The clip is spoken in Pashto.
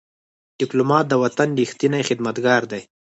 ډيپلومات د وطن ریښتینی خدمتګار دی.